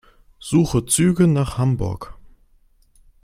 Suche Züge nach Hamburg.